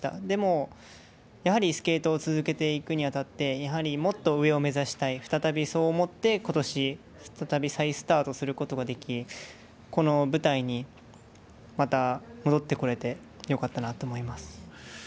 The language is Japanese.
でもやはりスケートを続けていくにあたってやはり、もっと上を目指したい再びそう思ってことし再び再スタートすることができこの舞台にまた戻ってこれてよかったなと思います。